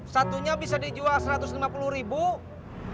satunya bisa dijual rp satu ratus lima puluh ribu